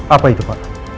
apa itu pak